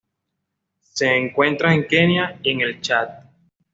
Se encuentra en Kenia y en el Chad.